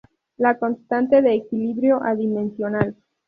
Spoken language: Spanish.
La constante de equilibrio adimensional.